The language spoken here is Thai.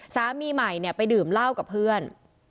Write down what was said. สามีใหม่เนี่ยไปดื่มเหล้ากับเพื่อน